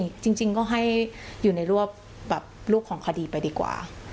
จริงก็ให้อยู่ในรวบแบบรูปของคดีไปดีกว่า